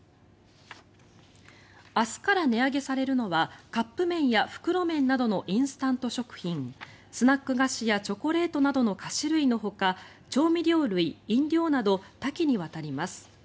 明日から値上げされるのはカップ麺や袋麺などのインスタント食品スナック菓子やチョコレートなどの菓子類のほか調味料類、飲料など多岐にわたります。